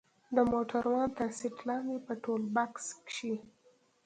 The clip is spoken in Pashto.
د موټروان تر سيټ لاندې په ټولبکس کښې.